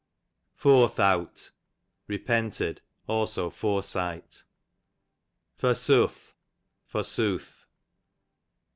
Forthowght, repented ; also fore sight. Forsuth, for sooth.